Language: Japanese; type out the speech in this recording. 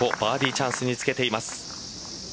チャンスにつけています。